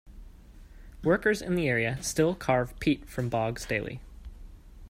Workers in the area still carve peat from bogs daily.